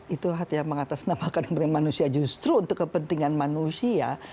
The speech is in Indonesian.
itu hati hati mengatas nama nama manusia justru untuk kepentingan manusia